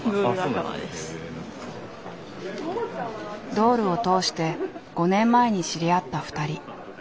ドールを通して５年前に知り合った２人。